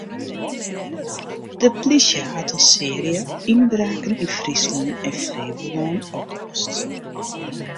De plysje hat in searje ynbraken yn Fryslân en Flevolân oplost.